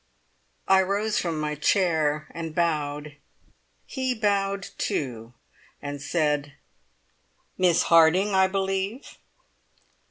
I rose from my chair and bowed. He bowed too, and said: "Miss Harding, I believe?"